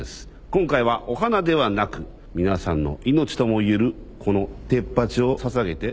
今回はお花ではなく皆さんの命ともいえるこのテッパチを捧げて。